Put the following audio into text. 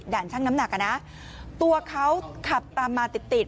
ช่างน้ำหนักอ่ะนะตัวเขาขับตามมาติดติด